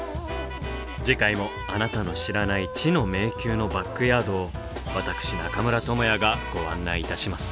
次回もあなたの知らない「知の迷宮」のバックヤードを私中村倫也がご案内いたします。